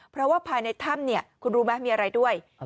เพราะว่าภายในถ้ำเนี่ยคุณรู้ไหมมีอะไรด้วย